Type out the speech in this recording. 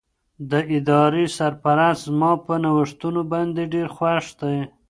د ادارې سرپرست زما په نوښتونو باندې ډېر خوښ دی.